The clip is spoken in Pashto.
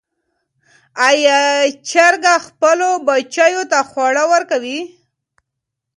آیا چرګه خپلو بچیو ته خواړه ورکوي؟